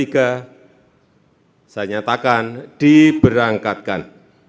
saya nyatakan diberangkatkan